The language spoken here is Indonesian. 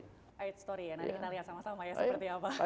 aid story ya nanti kita lihat sama sama ya seperti apa